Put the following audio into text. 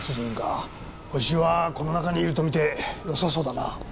ホシはこの中にいると見てよさそうだな。